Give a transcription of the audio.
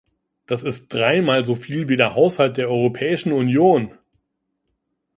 Das ist dreimal so viel wie der Haushalt der Europäischen Union!